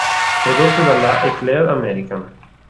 Prodotto dalla Eclair American.